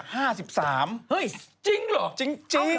เฮ่ยจริงหรือ